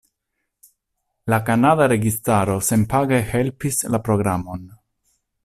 La kanada registaro senpage helpis la programon.